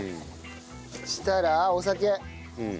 そしたらお酒。